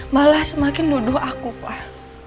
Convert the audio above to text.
malah semakin nuduhduh aku pak